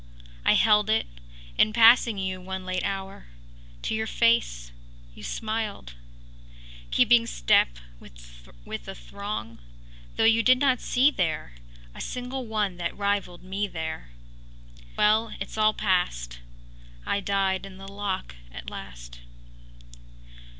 ’ I held it, in passing you one late hour, To your face: you smiled, Keeping step with the throng; though you did not see there A single one that rivalled me there! ... Well: it’s all past. I died in the Lock at last.